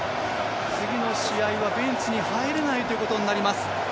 次の試合にはベンチに入れないということになります。